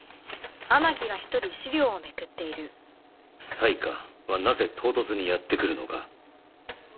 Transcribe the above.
「災禍」はなぜ唐突にやってくるのか